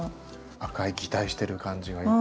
赤い擬態している感じがいい。